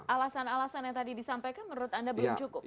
alasan alasan yang tadi disampaikan menurut anda belum cukup